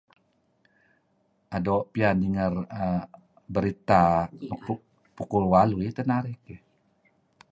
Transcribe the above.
Doo' piyan ninger err Berita nuk pukul waluh teh narih'